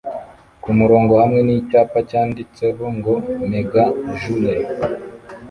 kumurongo hamwe nicyapa cyanditseho ngo 'Mega Joule'